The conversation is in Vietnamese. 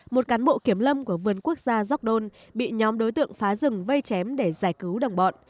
một cán bộ kiểm lâm của vườn quốc gia gióc đôn bị nhóm đối tượng phá rừng vây chém để giải cứu đồng bọn